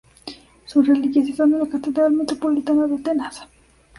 Sus reliquias están en la Catedral Metropolitana de Atenas.